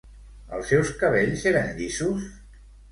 Els seus cabells eren llisos?